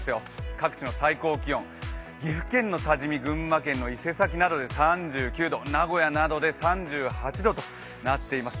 各地の最高気温、岐阜県の多治見群馬県の伊勢崎などで３９度名古屋などで３８度となっています。